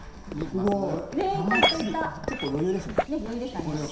結構余裕ですね。